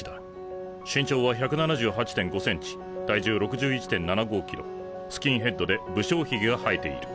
身長は１７８．５センチ体重６１．７５キロスキンヘッドで不精ひげが生えている。